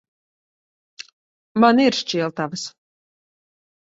Man ir šķiltavas.